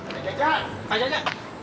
pak jajah pak jajah